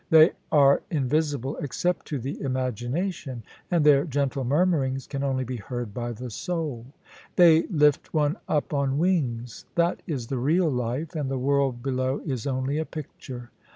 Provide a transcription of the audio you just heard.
They are invisible except to the imagination, and their gentle murmurings can only be heard by the souL They lift one up on wings — that is the real life, and the world below is only a picture.